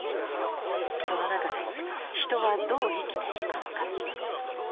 その中で人はどう生きていくのか。